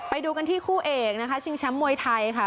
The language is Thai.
ไปดูกันที่คู่เอกนะคะชิงแชมป์มวยไทยค่ะ